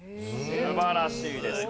素晴らしいですね。